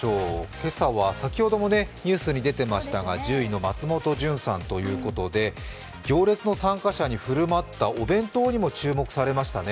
今朝は先ほどもニュースに出てましたが１０位の松本潤さんということで、行列の参加者に振る舞ったお弁当にも注目されましたね。